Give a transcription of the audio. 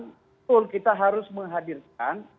betul kita harus menghadirkan